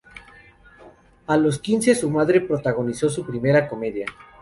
A los quince su madre protagonizó su primera comedia.